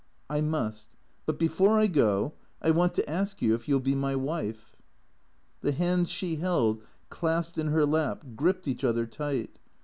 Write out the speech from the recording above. " I must. But before I go, I want to ask you if you '11 be my wife " The hands she held clasped in her lap gripped each other tight.